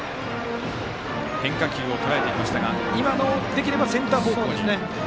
変化球をとらえていきましたが今のをできればセンター方向に。